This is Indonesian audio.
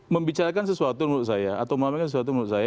membicarakan sesuatu menurut saya atau menyampaikan sesuatu menurut saya